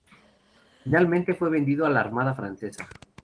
Finalmente fue vendido a la armada francesa.